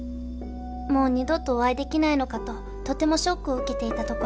「もう二度とお会い出来ないのかととてもショックを受けていたところ